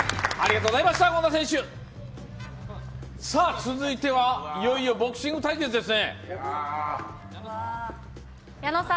続いてはいよいよボクシング対決ですね。